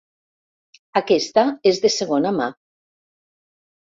Aquesta és de segona mà.